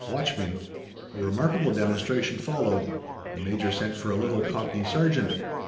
Watch me." A remarkable demonstration followed. The major sent for a little Cockney sergeant.